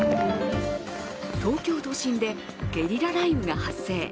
東京都心でゲリラ雷雨が発生。